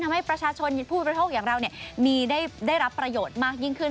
ทำให้ประชาชนผู้บริโภคอย่างเราได้รับประโยชน์มากยิ่งขึ้น